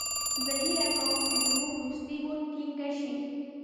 زه هیله کوم چې زموږ دوستي به ټینګه شي.